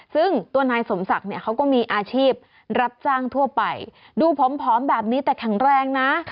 ซึ่งตัวนายสมศักดิ์เนี่ยเขาก็มีอาชีพรับจ้างทั่วไปดูผอมแบบนี้แต่แข็งแรงนะ